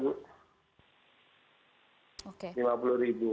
rata rata seperti itu